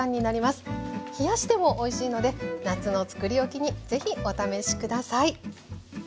冷やしてもおいしいので夏のつくり置きに是非お試し下さい。